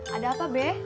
ada apa be